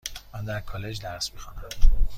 من در کالج درس میخوانم.